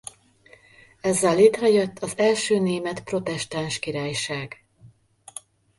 Ezzel létrejött az első német protestáns királyság.